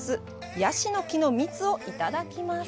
ヤシの木の蜜をいただきます。